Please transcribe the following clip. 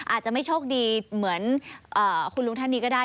อาจจะไม่โชคดีเหมือนคุณลุงท่านนี้ก็ได้